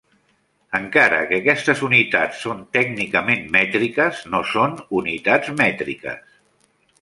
Encara que aquestes unitats són tècnicament mètriques, no són unitats mètriques.